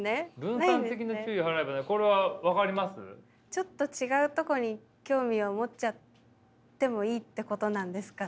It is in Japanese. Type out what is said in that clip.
ちょっと違うとこに興味を持っちゃってもいいってことなんですかね？